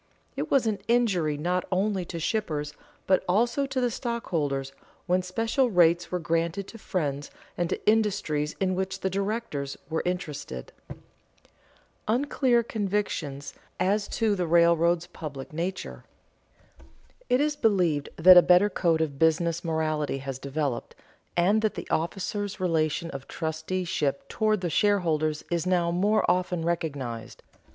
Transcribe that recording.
It was an injury not only to shippers, but also to the stockholders, when special rates were granted to friends and to industries in which the directors were interested. [Sidenote: Unclear convictions as to the railroads' public nature] It is believed that a better code of business morality has developed, and that the officers' relation of trusteeship toward the shareholders is now more often recognized.